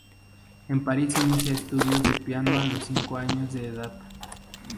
En París inicia estudios de piano a los cinco años de edad.